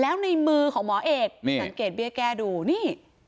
แล้วในมือของหมอเอกนี่สังเกตเบี้ยแก้ดูนี่